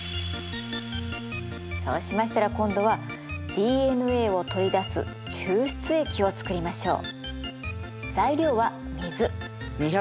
そうしましたら今度はＤＮＡを取り出す抽出液を作りましょう。